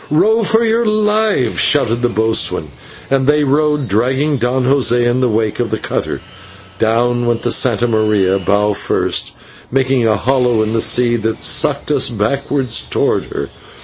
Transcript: "Row for your lives," shouted the boatswain, and they rowed, dragging Don José in the wake of the cutter. Down went the /Santa Maria/, bow first, making a hollow in the sea that sucked us back towards her.